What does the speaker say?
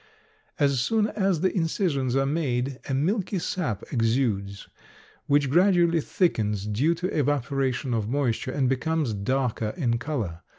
As soon as the incisions are made a milky sap exudes, which gradually thickens, due to the evaporation of moisture, and becomes darker in color.